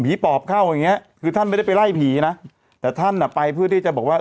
ปอบเข้าอย่างเงี้ยคือท่านไม่ได้ไปไล่ผีนะแต่ท่านอ่ะไปเพื่อที่จะบอกว่า